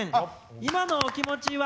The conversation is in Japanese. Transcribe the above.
今のお気持ちは？」。